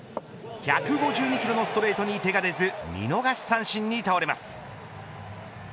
１５２キロのストレートに手が出ず見逃し三振に倒れます。